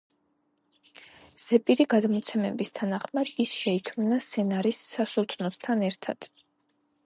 ზეპირი გადმოცემების თანახმად ის შეიქმნა სენარის სასულთნოსთან ერთად.